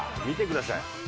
見てください。